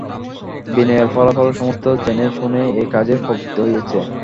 বিনয় এর ফলাফল সমস্ত জেনে-শুনেই এ কাজে প্রবৃত্ত হয়েছে।